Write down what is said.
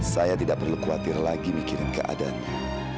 saya tidak perlu khawatir lagi mikirin keadaannya